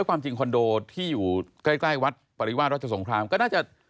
ความจริงคอนโดที่อยู่ใกล้วัดปริวาสรัชสงครามก็น่าจะ